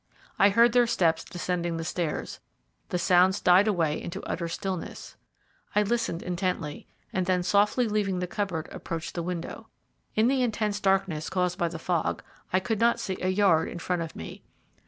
I heard their steps descending the stairs, the sounds died away into utter stillness. I listened intently, and then, softly leaving the cupboard, approached the window. In the intense darkness caused by the fog I could not see a yard in front of me.